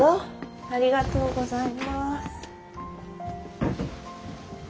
ありがとうございます。